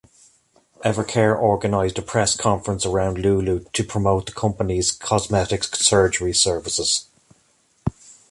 Evercare organized a press conference around Lulu to promote the company's cosmetic surgery services.